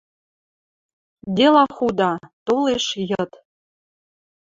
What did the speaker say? Дела худа, толеш йыд.